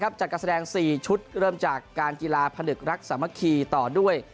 จากการแสดง๔ชุดเริ่มจากการกีฬาพนึกรักสามัคคีต่อด้วย